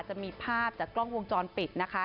จะมีภาพจากกล้องวงจรปิดนะคะ